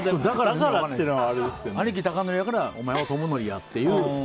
兄貴、孝則やからお前は智則やって。